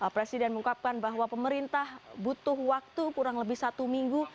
presiden mengungkapkan bahwa pemerintah butuh waktu kurang lebih satu minggu